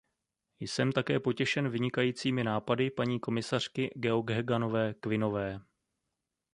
Jsem také potěšen vynikajícími nápady paní komisařky Geogheganové-Quinnové.